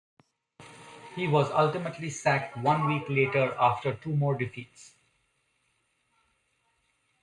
He was ultimately sacked one week later after two more defeats.